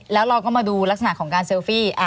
แล้วเราก็มาดูลักษณะของการเซลฟี่